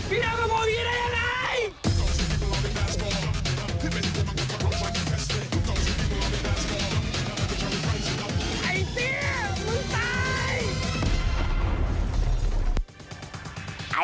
ไอ้เตี้ยมมึงตาย